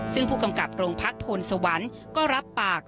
ซึ่งผู้กำกับโรงพักพลสวรรค์ก็รับปาก